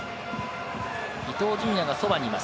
伊東純也が、そばにいます。